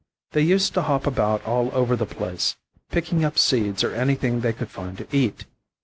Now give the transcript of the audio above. They used to hop about all over the place, picking up seeds or anything they could find to eat.